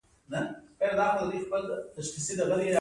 او اوس دغه نوى نظر هم درته سم بريښي.